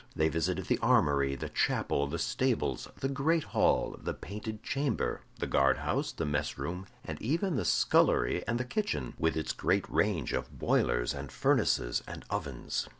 They visited the armory, the chapel, the stables, the great hall, the Painted Chamber, the guard house, the mess room, and even the scullery and the kitchen, with its great range of boilers and furnaces and ovens.